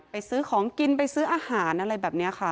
ซื้อของกินไปซื้ออาหารอะไรแบบนี้ค่ะ